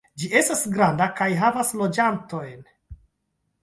Ĝi estas granda kaj havas loĝantojn.